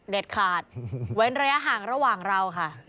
ขาดเว้นระยะห่างระหว่างเราค่ะ